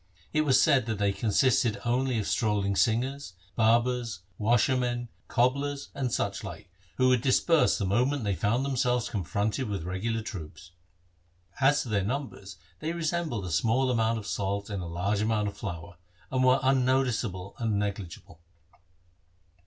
It was said that they consisted only of strolling singers, barbers, washermen, cobblers, and such like, who would disperse the moment they found themselves confronted with regular troops. As to their numbers they resembled a small amount of salt in a large amount of flour, and were unnoticeable and negligeable.